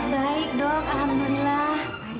baik dok alhamdulillah